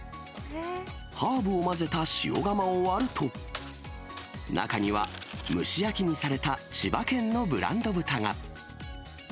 ハーブを混ぜた塩釜を割ると、中には、蒸し焼きにされた千葉県のブランド豚が。